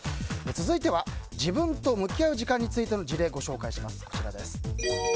続いては自分と向き合う時間についての事例ご紹介します。